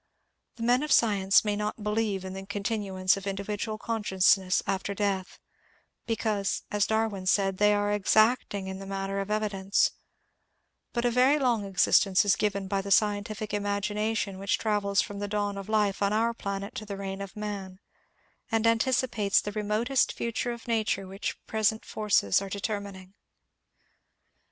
The men of science may not beheve in the continuance of individual consciousness after death, because, as Darwin said, they are exacting in the matter of evidence ; but a very long existence is given by the scientific imagination which travels from the dawn of life on our planet to the reign of man, and anticipates the remotest future of nature which present forces are determining.